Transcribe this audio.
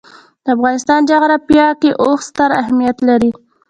د افغانستان جغرافیه کې اوښ ستر اهمیت لري.